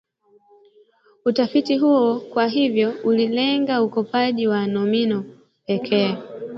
Utafiti huu kwa hivyo ulilenga ukopaji wa nomino pekee